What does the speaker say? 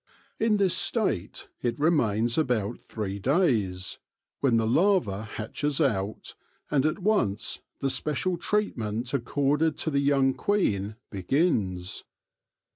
In this state it remains about three days, when the larva hatches out, and at once the special treatment accorded to the young queen begins.